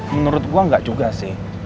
menurut gua gak juga sih